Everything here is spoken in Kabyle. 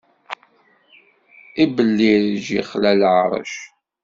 Ibellireǧ ixla lɛeṛc.